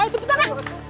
ayo cepetan lah